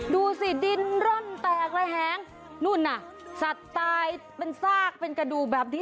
ดูสิดินร่อนแตกระแหงนู่นน่ะสัตว์ตายเป็นซากเป็นกระดูกแบบนี้